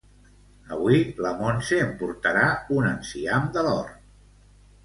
Avui la Montse em portarà un enciam de l'hort